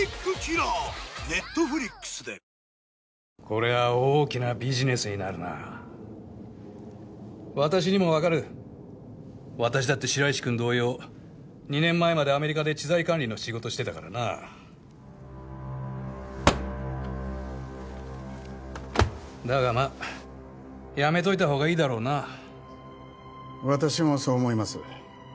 これは大きなビジネスになるな私にも分かる私だって白石くん同様２年前までアメリカで知財管理の仕事してたからなだがまあやめといたほうがいいだろうな私もそう思います